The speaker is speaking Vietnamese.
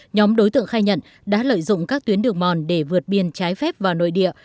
nhóm đối tượng khai nhận đã lợi dụng các tuyến đường mòn để vượt biên trái phép vào nội địa